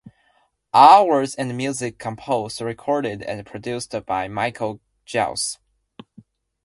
All words and music composed, recorded and produced by Michael Giles.